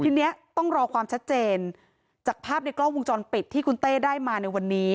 ทีนี้ต้องรอความชัดเจนจากภาพในกล้องวงจรปิดที่คุณเต้ได้มาในวันนี้